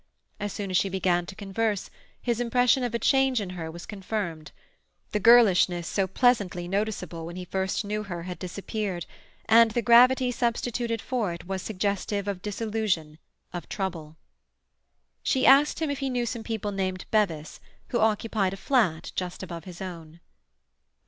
As soon as she began to converse, his impression of a change in her was confirmed; the girlishness so pleasantly noticeable when first he knew her had disappeared, and the gravity substituted for it was suggestive of disillusion, of trouble. She asked him if he knew some people named Bevis, who occupied a flat just above his own.